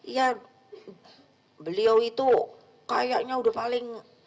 ya beliau itu kayaknya udah paling